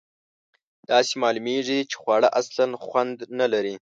داسې معلومیږي چې خواړه اصلآ خوند نه لري.